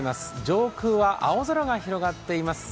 上空は青空が広がっています。